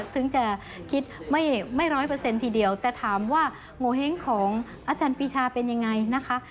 แต่ถามว่าโงเห้งของอาจารย์ปีชาเป็นอย่างไรนะคะ